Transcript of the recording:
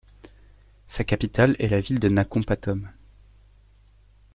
Sa capitale est la ville de Nakhon Pathom.